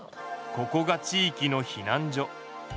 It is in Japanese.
ここが地いきの避難所。